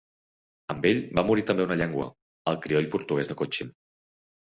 Amb ell va morir també una llengua: el crioll portuguès de Cochin.